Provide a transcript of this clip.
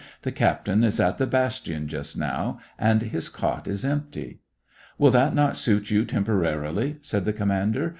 "The captain is at the bastion just now, and his cot is empty." " Will that not suit you, temporarily }" said the commander.